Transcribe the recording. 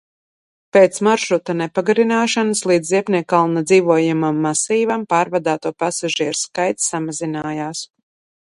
Pēc maršruta nepagarināšanas līdz Ziepniekkalna dzīvojamam masīvam pārvadāto pasažieru skaits samazinājās.